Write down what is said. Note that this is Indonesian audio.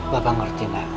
bapak ngerti mbak